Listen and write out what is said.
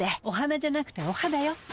お花じゃなくてお肌よ。